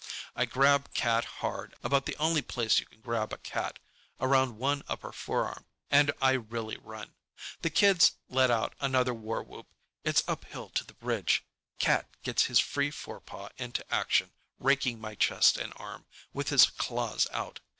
I grab Cat hard about the only place you can grab a cat, around one upper forearm, and I really run. The kids let out another war whoop. It's uphill to the bridge. Cat gets his free forepaw into action, raking my chest and arm, with his claws out.